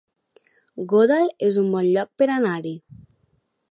Godall es un bon lloc per anar-hi